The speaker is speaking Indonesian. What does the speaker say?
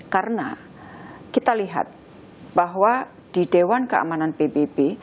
karena kita lihat bahwa di dewan keamanan pbb